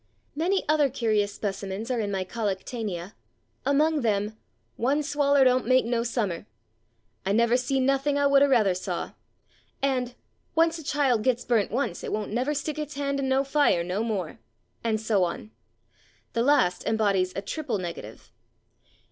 Many other curious specimens are in my collectanea, among them: "one swaller don't make /no/ summer," "I /never/ seen nothing I would of rather saw," and "once a child gets burnt once it /won't/ never stick its hand in /no/ fire /no/ more," and so on. The last embodies a triple negative.